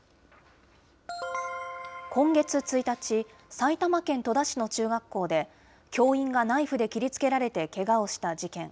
今月１日、埼玉県戸田市の中学校で、教員がナイフで切りつけられてけがをした事件。